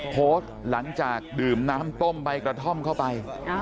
โพสต์หลังจากดื่มน้ำต้มใบกระท่อมเข้าไป